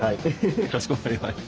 かしこまりました。